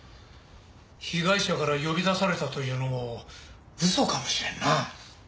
被害者から呼び出されたというのも嘘かもしれんな。